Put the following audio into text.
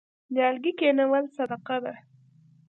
نیالګي کینول صدقه ده.